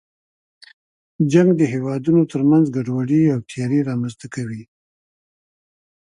جنګ د هېوادونو تر منځ ګډوډي او تېرې رامنځته کوي.